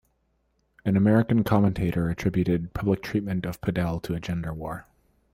An American commentator attributed public treatment of Padel to a gender war.